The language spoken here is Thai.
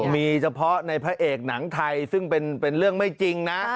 มีเฉพาะในพระเอกหนังไทยซึ่งเป็นเรื่องไม่จริงนะ